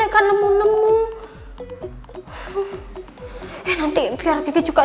aku mau pergi dulu